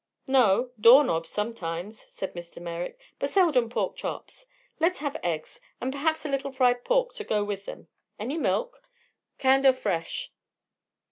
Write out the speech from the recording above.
"No. Door knobs, sometimes," said Mr. Merrick, "but seldom pork chops. Let's have eggs, and perhaps a little fried pork to go with them. Any milk?" "Canned er fresh?"